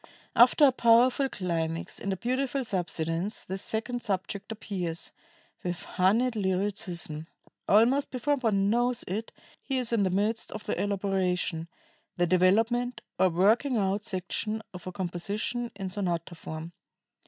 After a powerful climax and a beautiful subsidence, ... the second subject appears, ... with honeyed lyricism. Almost before one knows it he is in the midst of the elaboration [the development, or "working out" section, of a composition in sonata form].